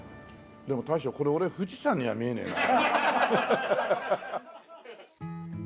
でも大将これ俺富士山には見えねえな。